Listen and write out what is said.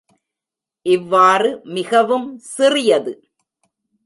இவ்வாறு மிகவும் சிறியது.